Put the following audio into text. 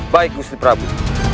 baik gusti prabu